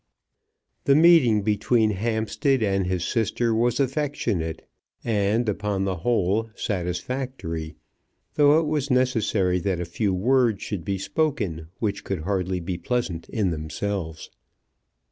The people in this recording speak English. The meeting between Hampstead and his sister was affectionate and, upon the whole, satisfactory, though it was necessary that a few words should be spoken which could hardly be pleasant in themselves.